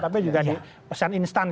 tapi juga di pesan instan